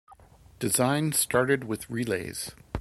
Design started with relays.